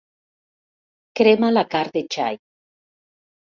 Crema la carn de xai.